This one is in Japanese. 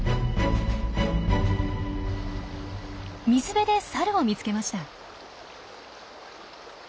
水辺でサルを見つけました。